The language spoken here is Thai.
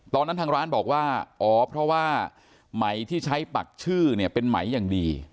ตอนนั้นทางร้านบอกว่าอ๋อเพราะว่าไหมที่ใช้ปักชื่อเนี่ยเป็นไหมอย่างดี